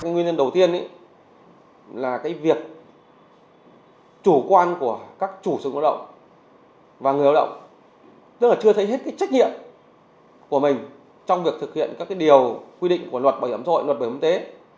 nguyên nhân đầu tiên là việc chủ quan của các chủ sử dụng lao động và người lao động tức là chưa thấy hết trách nhiệm của mình trong việc thực hiện các điều quy định của luật bảo hiểm xã hội luật bảo hiểm y tế